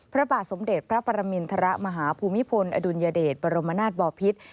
พระบาทสมเด็จพระปรมินทรมาฮภูมิพลอดุลยเดชบรมนาศบอพิษ